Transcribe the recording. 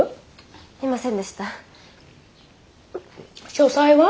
書斎は？